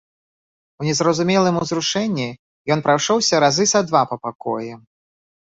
У незразумелым узрушэнні ён прайшоўся разы са два па пакоі.